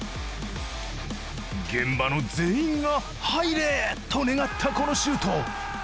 現場の全員が「入れ！」と願ったこのシュート。